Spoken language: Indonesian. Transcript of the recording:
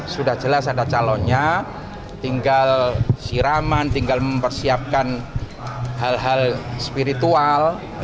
sudah jelas ada calonnya tinggal siraman tinggal mempersiapkan hal hal spiritual